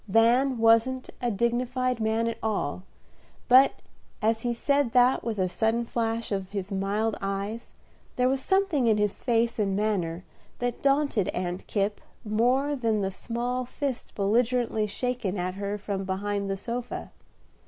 Van wasn't a dignified man at all, but as he said that with a sudden flash of his mild eyes, there was something in his face and manner that daunted Aunt Kipp more than the small fist belligerently shaken at her from behind the sofa.